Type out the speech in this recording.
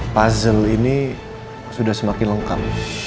puzzle ini sudah semakin lengkap